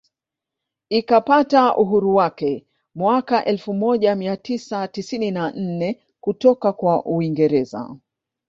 Ikapata uhuru wake mwaka elfu moja mia tisa tisini na nne kutoka kwa Uingereza